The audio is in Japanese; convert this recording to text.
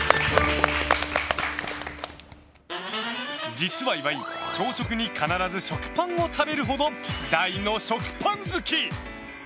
実は岩井、朝食に必ず食パンを食べるほど大の食パン好き！